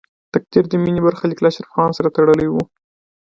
تقدیر د مینې برخلیک له اشرف خان سره تړلی و